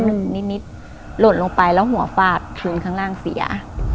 เราก็โดนลงไปแล้วหัวปากขึ้นข้างล่างเสีย